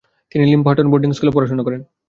তিনি লিটলহ্যাম্পটনে বোর্ডিং স্কুলে পড়াশুনা করেন।